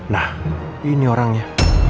nah ini orangnya